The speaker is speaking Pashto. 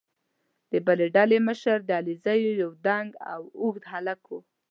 د بلې ډلې مشر د علیزو یو دنګ او اوږد هلک وو.